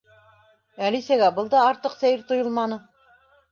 Әлисәгә был да артыҡ сәйер тойолманы.